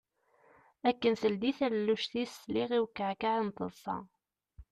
Akken teldi talelluct-is, sliɣ i uskeεkeε n teṭsa.